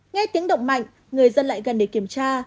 nghe tiếng động mạnh người dân lại gần để kiểm tra